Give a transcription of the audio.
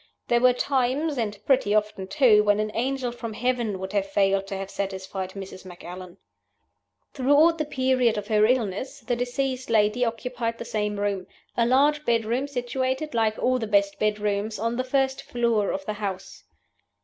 There were times and pretty often too when an angel from heaven would have failed to have satisfied Mrs. Macallan. "Throughout the period of her illness the deceased lady occupied the same room a large bedroom situated (like all the best bedrooms) on the first floor of the house.